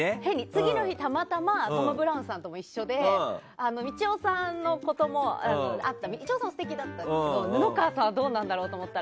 次の日、たまたまトム・ブラウンさんとも一緒でみちおさんのこともあってみちおさんは素敵だったんだけど布川さんはどうかと思って。